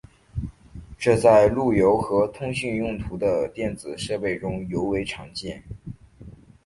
这在路由和通信用途的电子设备中尤为常见。